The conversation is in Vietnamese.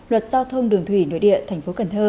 luật giao thông đường thủy nội địa thành phố cần thơ